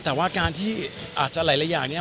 แต่ว่าการที่อาจจะหลายอย่างเนี่ย